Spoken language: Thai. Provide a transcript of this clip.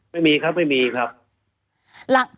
ไม่มีครับไม่มีครับ